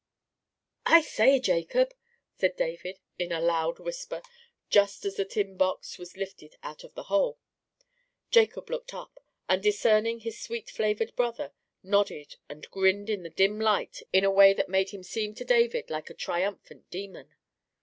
"I say, Jacob," said David in a loud whisper, just as the tin box was lifted out of the hole. Jacob looked up, and discerning his sweet flavoured brother, nodded and grinned in the dim light in a way that made him seem to David like a triumphant demon.